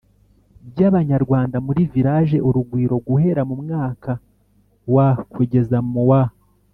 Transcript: by Abanyarwanda muri Village Urugwiro guhera mu mwaka wa kugeza mu wa